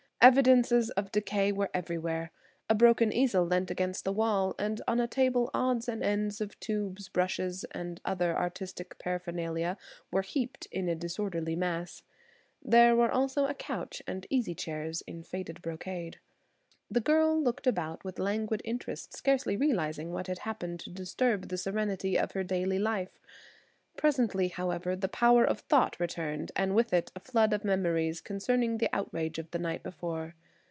Evidences of decay were everywhere; a broken easel leant against the wall, and on a table odds and ends of tubes, brushes and other artistic paraphernalia were heaped in a disorderly mass. There were also a couch and easy chairs in faded brocade. The girl looked about with lanquid interest scarcely realizing what had happened to disturb the serenity of her daily life. Presently, however, the power of thought returned and with it a flood of memories concerning the outrage of the night before.